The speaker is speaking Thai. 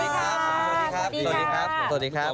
สวัสดีครับสวัสดีครับสวัสดีครับ